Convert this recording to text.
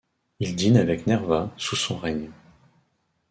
Il dîne avec Nerva sous son règne.